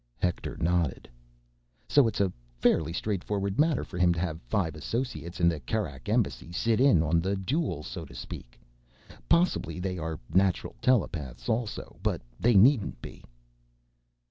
Hector nodded. "So it's a fairly straightforward matter for him to have five associates in the Kerak Embassy sit in on the duel, so to speak. Possibly they are natural telepaths also, but they needn't be."